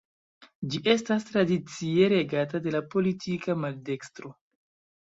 Ĝi estas tradicie regata de la politika maldekstro.